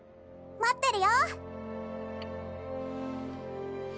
「待ってるよ！」。